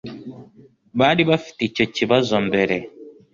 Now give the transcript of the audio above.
Bari bafite icyo kibazo mbere